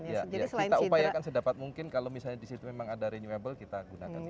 ya kita upayakan sedapat mungkin kalau misalnya di situ memang ada renewable kita gunakan